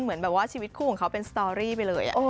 เหมือนแบบว่าชีวิตคู่ของเขาเป็นสตอรี่ไปเลย